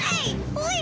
おい！